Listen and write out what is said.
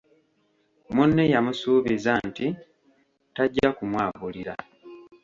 Munne yamusuubiza nti tajja kumwabulira.